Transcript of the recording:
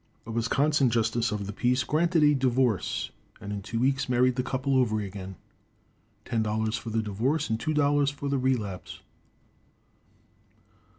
A Wisconsin justice of the peace granted a divorce and in two weeks married the couple over again ten dollars for the divorce and two dollars for the relapse.